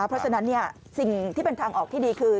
เพราะฉะนั้นสิ่งที่เป็นทางออกที่ดีคือ